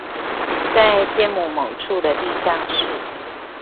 在天母某處的地下室